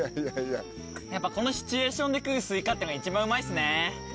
やっぱこのシチュエーションで食うスイカっていうのは一番うまいっすね。